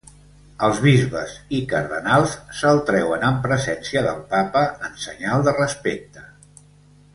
Els bisbes i cardenals se'l treuen en presència del Papa en senyal de respecte.